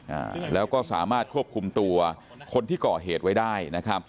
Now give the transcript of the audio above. อ่าแล้วก็สามารถควบคุมตัวคนที่ก่อเหตุไว้ได้นะครับ